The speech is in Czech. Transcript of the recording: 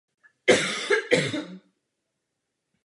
Takovýto svaz nemůže navrhnout k evidenci církevní právnickou osobu.